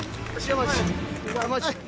山内。